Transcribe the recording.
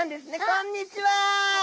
こんにちは！